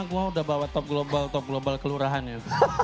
gue udah bawa top global top global kelurahan ya